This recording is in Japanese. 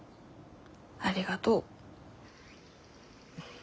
ありがとう。